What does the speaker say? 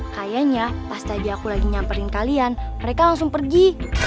kayaknya pas tadi aku lagi nyamperin kalian mereka langsung pergi